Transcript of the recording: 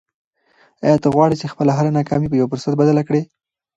آیا ته غواړې چې خپله هره ناکامي په یو فرصت بدله کړې؟